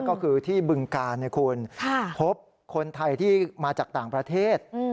ก็คือที่บึงกาลนะคุณพบคนไทยที่มาจากต่างประเทศ